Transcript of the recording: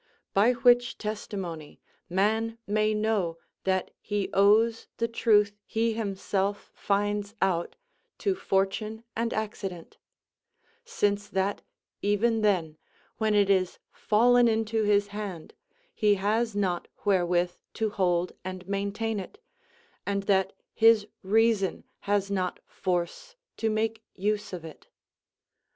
By which testimony man may know that he owes the truth he himself finds out to fortune and accident; since that even then, when it is fallen into his hand, he has not wherewith to hold and maintain it, and that his reason has not force to make use of it.